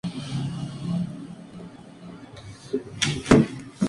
Pertenecía a una familia noble del Limousin.